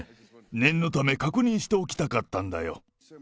念のため確認しておきたかったんだよ。